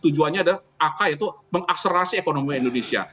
jadi tujuannya adalah aka itu mengakserasi ekonomi indonesia